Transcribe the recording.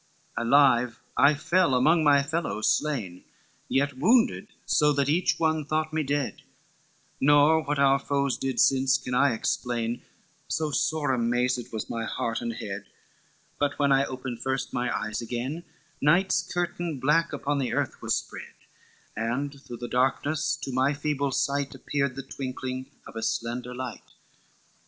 XXV "Alive I fell among my fellows slain, Yet wounded so that each one thought me dead, Nor what our foes did since can I explain, So sore amazed was my heart and head; But when I opened first mine eyes again, Night's curtain black upon the earth was spread, And through the darkness to my feeble sight, Appeared the twinkling of a slender light.